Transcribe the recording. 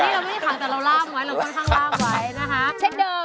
อันนี้เราไม่ที่ขังแต่เราล่ามไว้เราก็ค่อนข้างล่ามไว้นะฮะ